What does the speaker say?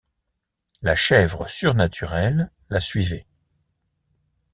La chèvre surnaturelle la suivait.